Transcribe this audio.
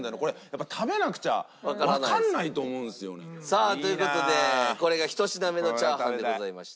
さあという事でこれが１品目のチャーハンでございました。